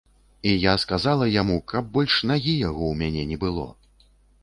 І я сказала яму, каб больш нагі яго ў мяне не было.